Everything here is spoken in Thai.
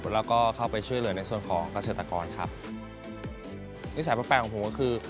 แล้วก็เข้าไปช่วยเหลือในส่วนของเกษตรกรครับนิสัยแปลกของผมก็คือ